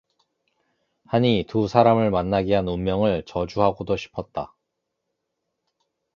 하니 두 사람을 만나게 한 운명을 저주하고도 싶었다.